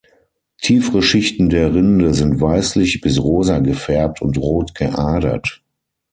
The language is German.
Tiefere Schichten der Rinde sind weißlich bis rosa gefärbt und rot geadert.